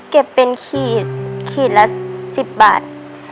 เก็บเป็นขีดขีดละ๑๐บาท